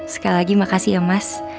sekali lagi makasih ya mas